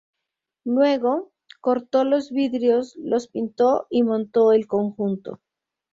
Luego, cortó los vidrios, los pintó y montó el conjunto.